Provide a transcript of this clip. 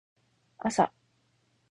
朝